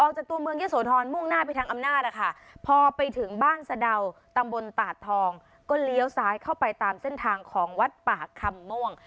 ตัวเมืองเยอะโสธรมุ่งหน้าไปทางอำนาจนะคะพอไปถึงบ้านสะดาวตำบลตาดทองก็เลี้ยวซ้ายเข้าไปตามเส้นทางของวัดป่าคำม่วง